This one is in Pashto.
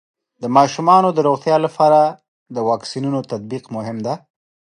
د ماشومانو د روغتیا لپاره د واکسینونو تطبیق مهم دی.